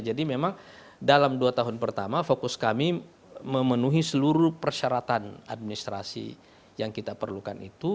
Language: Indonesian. jadi memang dalam dua tahun pertama fokus kami memenuhi seluruh persyaratan administrasi yang kita perlukan itu